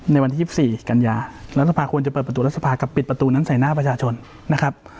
ในวันที่๒๔กันยารัฐสภาควรจะเปิดประตูรัฐสภากับปิดประตูนั้นใส่หน้าประชาชนนะครับ